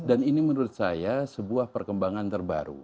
dan ini menurut saya sebuah perkembangan terbaru